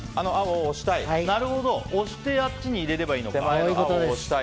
なるほど、押してあっちに入れればいいのか。